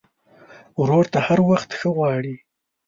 ورور ته هر وخت ښه غواړې.